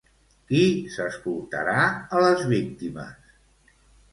Qui s'escoltarà a les víctimes?